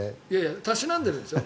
たしなんでるんですよ。